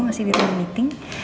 masih belum ada meeting